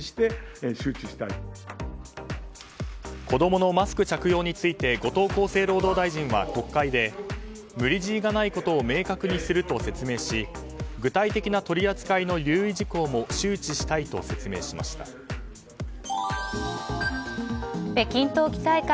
子供のマスク着用について後藤厚生労働大臣は国会で無理強いがないことを明確にすると説明し具体的な取り扱いの留意事項も周知したいと説明しました。